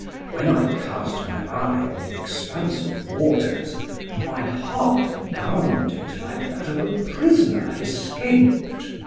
When I cast my eye on the expanse of waters, my heart bounded like that of a prisoner escaped.